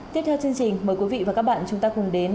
tiếp theo chương trình mời quý vị và các bạn chúng ta cùng đến